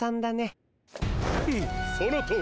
フッそのとおり。